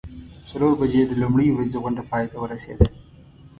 څلور بجې د لومړۍ ورځې غونډه پای ته ورسیده.